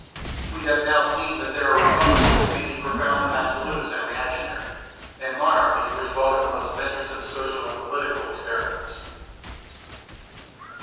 We have now seen that there are republics which may be profoundly absolutist and reactionary, and monarchies which welcome the most venturesome social and political experiments.